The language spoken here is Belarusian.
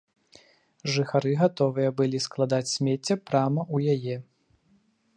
Жыхары гатовыя былі складаць смецце прама ў яе.